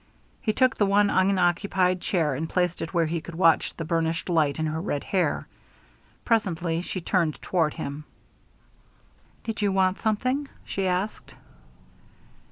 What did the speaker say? He took the one unoccupied chair and placed it where he could watch the burnished light in her red hair. Presently she turned toward him. "Did you want something?" she asked.